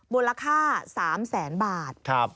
มูลค่า๓แสนบาท